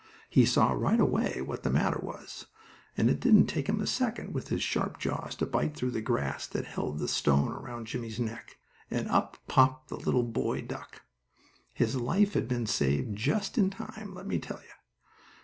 He saw right away what the matter was, and it didn't take him a second, with his sharp jaws, to bite through the grass that held, the stone around Jimmie's neck, and up popped the little boy duck! His life had been saved just in time, let me tell you!